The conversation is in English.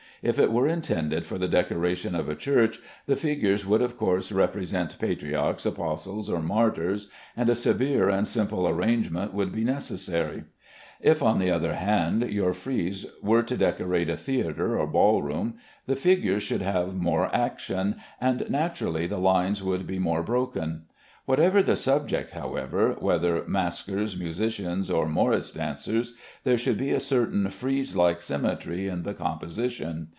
If it were intended for the decoration of a church, the figures would of course represent patriarchs, apostles, or martyrs, and a severe and simple arrangement would be necessary. If, on the other hand, your frieze were to decorate a theatre or ball room, the figures should have more action, and naturally the lines would be more broken. Whatever the subject, however, whether maskers, musicians, or morris dancers, there should be a certain frieze like symmetry in the composition.